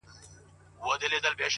o څه خوره، څه پرېږده٫